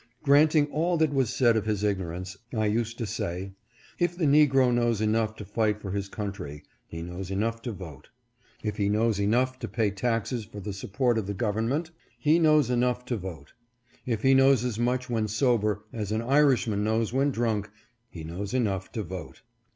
Granting all that was said of his ignorance, I used to say, " if the negro knows enough to fight for his country he knows enough to vote ; if he knows enough to pay taxes for the support of the government, he knows enough to vote ; if he knows as much when sober, as an Irishman knows when drunk, he knows enough to vote."